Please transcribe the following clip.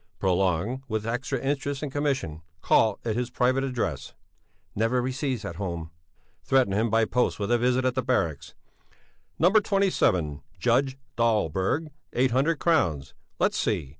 "Prolong, with extra interest and commission. Call at his private address." "Never receives at home." "Threaten him by post with a visit at the barracks." "No. 27. Judge Dahlberg, 800 crowns. Let's see.